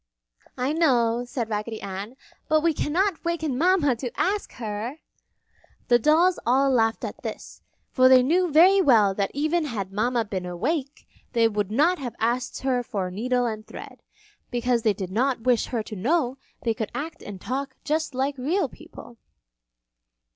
"I know," said Raggedy Ann, "but we cannot waken Mama to ask her!" The dolls all laughed at this, for they knew very well that even had Mama been awake, they would not have asked her for needle and thread, because they did not wish her to know they could act and talk just like real people.